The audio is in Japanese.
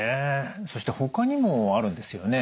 そしてほかにもあるんですよね？